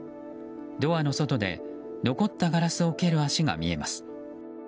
ドアの外で残ったガラスを蹴る足が見えます。